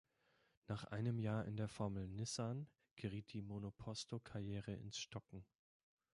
Nach einem Jahr in der Formel Nissan geriet die Monoposto-Karriere ins Stocken.